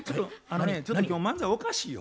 ちょっと今日漫才おかしいよ。